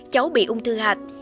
cháu bị ung thư hạch